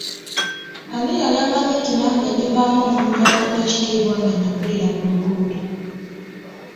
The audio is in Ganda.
Ani yali amanyi nti nange ndivaamu omuntu aweebwa ekitiibwa nga nnakulira ku luguudo?